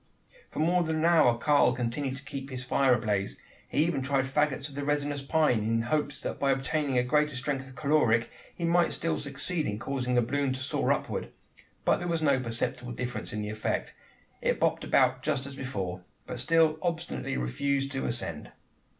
For more than an hour Karl continued to keep his fire ablaze. He even tried faggots of the resinous pine: in hopes that by obtaining a greater strength of caloric he might still succeed in causing the balloon to soar upward; but there was no perceptible difference in the effect. It bobbed about as before, but still obstinately refused to ascend.